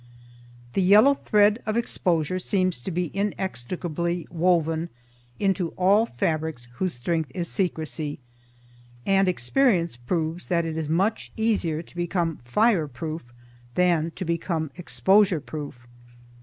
The yellow thread of exposure seems to be inextricably woven into all fabrics whose strength is secrecy, and experience proves that it is much easier to become fireproof than to become exposure proof.